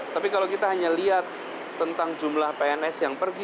tapi kalau kita hanya lihat tentang jumlah pns yang pergi